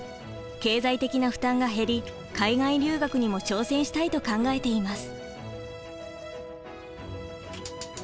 経済的な負担が減り海外留学にも挑戦したいと考えています。